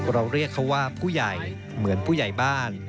เรียกเขาว่าผู้ใหญ่เหมือนผู้ใหญ่บ้าน